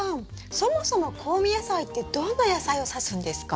そもそも香味野菜ってどんな野菜を指すんですか？